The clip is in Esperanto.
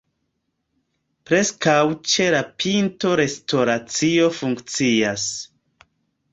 Preskaŭ ĉe la pinto restoracio funkcias.